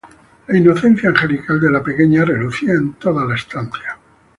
La inocencia angelical de la pequeña relucía en toda la estancia